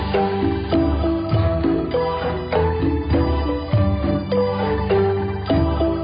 ที่สุดท้ายที่สุดท้ายที่สุดท้าย